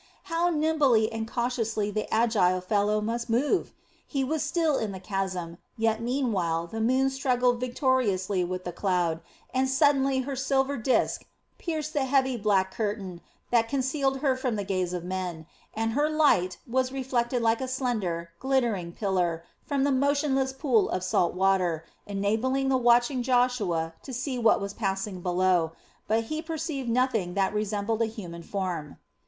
How nimbly and cautiously the agile fellow must move! He was still in the chasm, yet meanwhile the moon struggled victoriously with the clouds and suddenly her silver disk pierced the heavy black curtain that concealed her from the gaze of men, and her light was reflected like a slender, glittering pillar from the motionless pool of salt water, enabling the watching Joshua to see what was passing below; but he perceived nothing that resembled a human form.